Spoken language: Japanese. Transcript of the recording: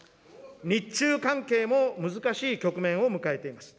日中関係も難しい局面を迎えています。